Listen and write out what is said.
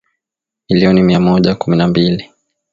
milioni mia moja kumi mbili